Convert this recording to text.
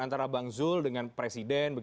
antara bang zul dengan presiden